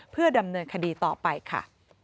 เพื่อดำเนินคดีต่อไปค่ะ